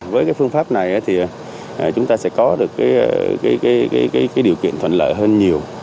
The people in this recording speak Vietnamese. với cái phương pháp này thì chúng ta sẽ có được điều kiện thuận lợi hơn nhiều